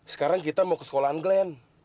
sekarang kita mau ke sekolahan glenn